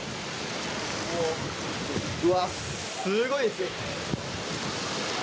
うわ、すごいですよ。